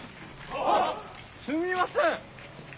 すみません